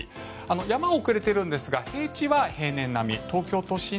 山は遅れているんですが平地は例年並み